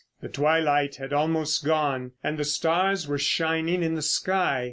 The twilight had almost gone, and the stars were shining in the sky.